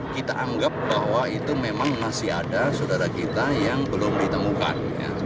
kita anggap bahwa itu memang masih ada saudara kita yang belum ditemukan